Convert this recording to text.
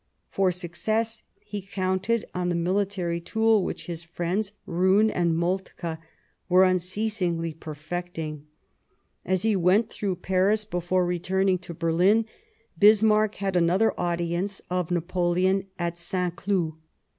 For success he counted on the military tool which his friends Roon and Moltke were unceasingly perfecting. As he went through Paris, before returning to 79 Bismarck Berlin, Bismarck had another audience of Napoleon at Saint Cloud.